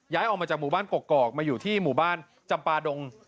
ออกมาจากหมู่บ้านกกอกมาอยู่ที่หมู่บ้านจำปาดง